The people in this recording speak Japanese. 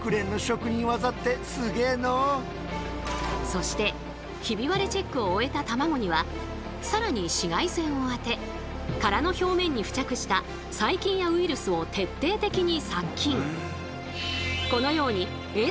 そしてヒビ割れチェックを終えたたまごには更に紫外線を当て殻の表面に付着した細菌やウイルスを徹底的に殺菌！